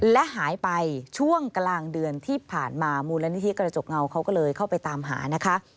และหายไปช่วงกลางเดือนที่ผ่านมามูลนิธิกระจกเงาเขาก็เลยเข้าไปตามหานะคะ